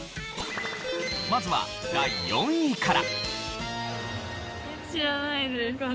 まずは第４位から。